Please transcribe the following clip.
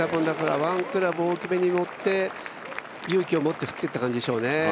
ワンクラブ大きめに持って勇気を持って振っていった感じでしょうね。